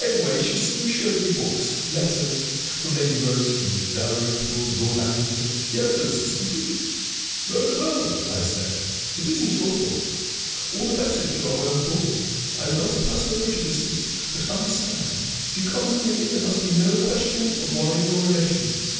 Anyway, she soon showed me books, letters from Lady Rose, from Dalrymple, Lord Lackington the evidence was complete.... "'Very well,' I said; 'it isn't your fault. All the better if you are well born I am not a person of prejudices. But understand, if you come to me, there must be no question of worrying your relations.